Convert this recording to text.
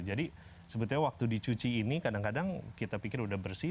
jadi sebetulnya waktu dicuci ini kadang kadang kita pikir sudah bersih